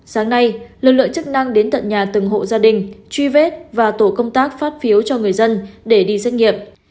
sáng nay lực lượng chức năng đến tận nhà từng hộ gia đình truy vết và tổ công tác phát phiếu cho người dân để đi xét nghiệm